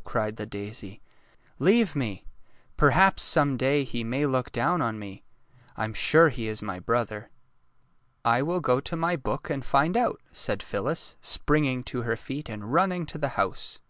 " cried the daisy. ^^ Leave me ! Perhaps some day he may look down on me. I am sure he is my brother." ^^ I will go to my book and find out," said Phyllis, springing to her feet and running to the house.